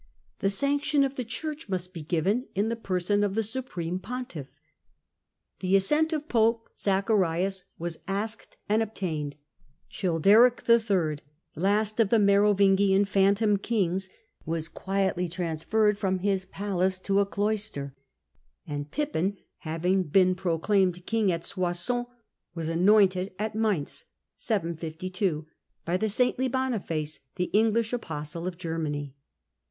The sanction of the Church must be given, in the person of the supreme pontiff. The assent of pope Zacharias wap asked and obtained : Childeric III., last of the Merovin gian phantom kings, was qtiietly transferred from his palace to a cloister, and Pippin, having been proclaimed king at Soissons, was anointed at Mainz (752) by the saintly Boniface, the English apostle of Germany.